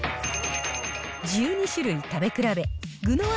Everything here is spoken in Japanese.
１２種類食べ比べ、具の味